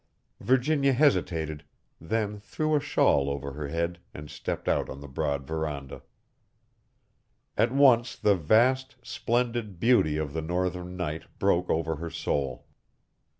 Virginia hesitated, then threw a shawl over her head and stepped out on the broad veranda. At once the vast, splendid beauty of the Northern night broke over her soul.